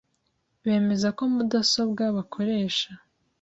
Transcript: bemeza ko mudasobwa bakoresha